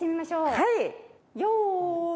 はい！